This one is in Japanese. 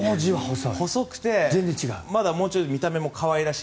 細くて、まだもうちょい見た目も可愛らしい。